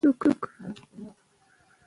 د افغانستان طبیعت له دښتې څخه جوړ شوی دی.